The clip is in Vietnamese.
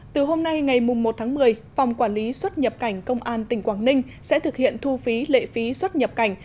từ hôm nay ngày một tháng một mươi phòng quản lý xuất nhập cảnh công an tỉnh quảng ninh sẽ thực hiện thu phí lệ phí xuất nhập cảnh